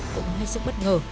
cũng hay sức bất ngờ